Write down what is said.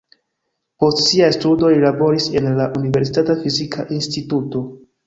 Post siaj studoj li laboris en la universitata fizika instituto.